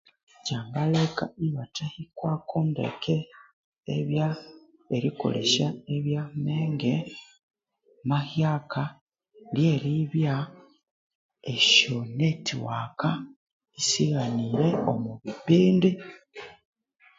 Kyangaleka ibathahikwako ndeke erikolesya ebya amenge mahyaka lyeribya esyo network sighanire omwa bipindi